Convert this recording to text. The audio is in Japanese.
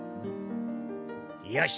よし！